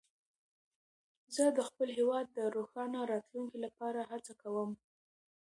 زه د خپل هېواد د روښانه راتلونکي لپاره هڅه کوم.